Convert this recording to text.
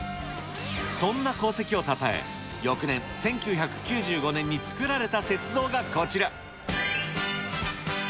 そんな功績をたたえ、翌年１９９５年に作られた雪像がこちら。